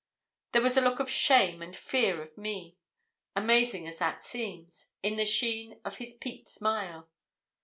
There was a look of shame and fear of me, amazing as that seems, in the sheen of his peaked smile.